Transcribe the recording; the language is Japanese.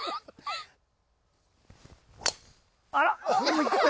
あら？